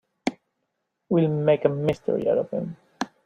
We'll make a mystery out of him.